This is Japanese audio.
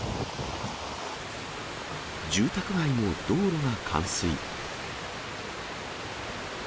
住宅街の道路が冠水。